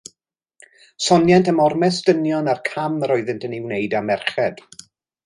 Sonient am ormes dynion a'r cam yr oeddynt yn ei wneud â merched.